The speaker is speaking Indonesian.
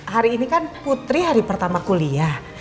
hari ini kan putri hari pertama kuliah